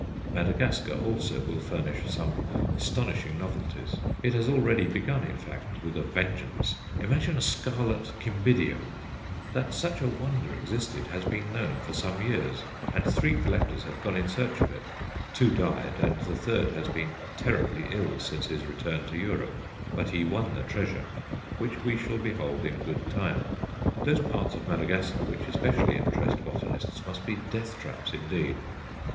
Madagascar also will furnish some astonishing novelties; it has already begun, in fact with a vengeance. Imagine a scarlet Cymbidium! That such a wonder existed has been known for some years, and three collectors have gone in search of it; two died, and the third has been terribly ill since his return to Europe but he won the treasure, which we shall behold in good time. Those parts of Madagascar which especially attract botanists must be death traps indeed!